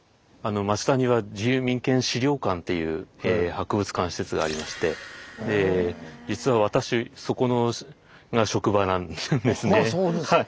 町田には自由民権資料館っていう博物館施設がありまして実はああそうですか。